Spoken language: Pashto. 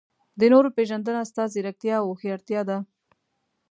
د نورو پېژندنه ستا ځیرکتیا او هوښیارتیا ده.